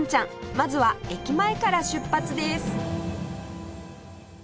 まずは駅前から出発です